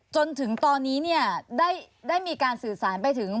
จนถึงตอนนี้เนี่ยได้มีการสื่อสารไปถึง